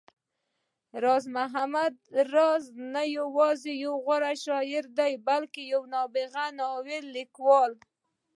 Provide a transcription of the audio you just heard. راز محمد راز نه يوازې يو غوره شاعر، بلکې يو نابغه ناول ليکوال و